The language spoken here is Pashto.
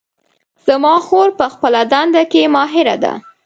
زما خور په خپله دنده کې ماهره ده